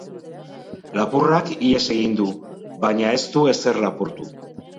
Lapurrak ihes egin du, baina ez du ezer lapurtu.